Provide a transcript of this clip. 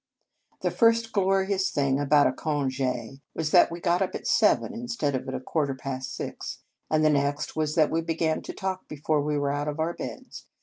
The first glorious thing about a conge was that we got up at seven in stead of at quarter past six, and the next was that we began to talk before we were out of our beds.